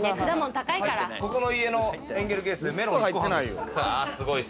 ここの家のエンゲル係数、メロン１個半です。